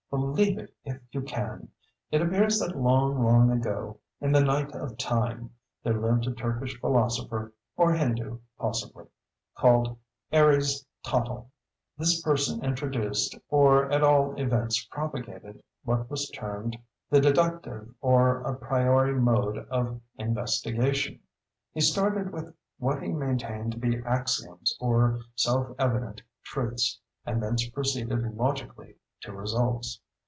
Believe it if you can! It appears that long, long ago, in the night of Time, there lived a Turkish philosopher (or Hindoo possibly) called Aries Tottle. This person introduced, or at all events propagated what was termed the deductive or a priori mode of investigation. He started with what he maintained to be axioms or "self evident truths," and thence proceeded "logically" to results.